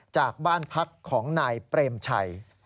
จากบ้านพักของนายเปรมชัย